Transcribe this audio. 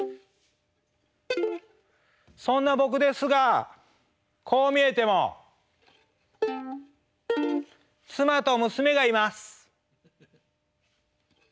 そんな僕ですがこう見えても妻と娘がいます。